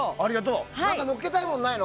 のっけたいものないの？